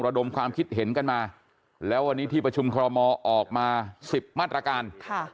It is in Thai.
ดมความคิดเห็นกันมาแล้ววันนี้ที่ประชุมคอรมอออกมา๑๐มาตรการ